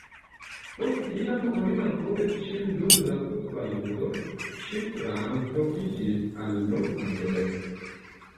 Post kiam oni malkovris ŝin dum futbal-ludo, ŝi translokiĝis al Los Angeles.